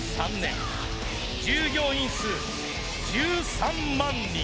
従業員数１３万人。